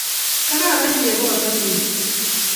Kararan cheboto missing.